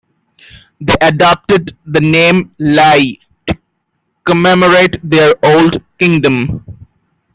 They adopted the name Lai to commemorate their old kingdom.